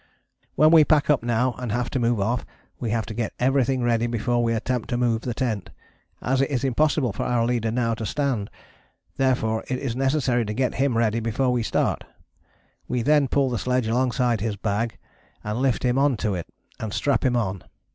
When we pack up now and have to move off we have to get everything ready before we attempt to move the tent, as it is impossible for our leader now to stand, therefore it is necessary to get him ready before we start. We then pull the sledge alongside his bag and lift him on to it and strap him on.